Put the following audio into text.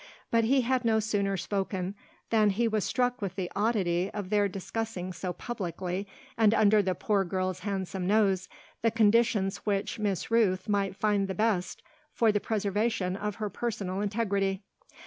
But he had no sooner spoken than he was struck with the oddity of their discussing so publicly, and under the poor girl's handsome nose, the conditions which Miss Rooth might find the best for the preservation of her personal integrity.